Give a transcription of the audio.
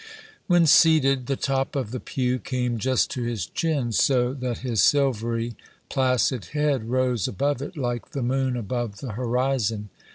When seated, the top of the pew came just to his chin, so that his silvery, placid head rose above it like the moon above the horizon.